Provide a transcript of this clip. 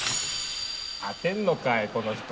当てんのかいこの人。